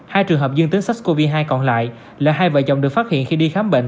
hai trường hợp dương tính sars cov hai còn lại là hai vợ chồng được phát hiện khi đi khám bệnh